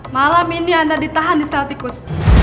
malam ini anda ditahan di celticus